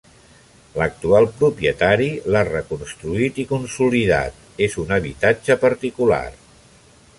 L'actual propietari l'ha reconstruït i consolidat, és un habitatge particular.